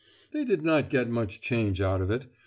They did not get much change out of it.